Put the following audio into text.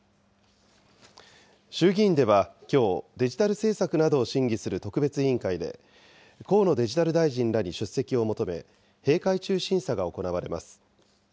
衆議院ではきょう、デジタル政策などを審議する特別委員会で、河野デジタル大臣らに出席を求め、閉会中審査が行われます。